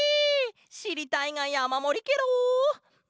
しりたいがやまもりケロ！